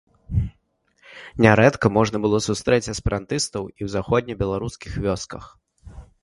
Нярэдка можна было сустрэць эсперантыстаў і ў заходнебеларускіх вёсках.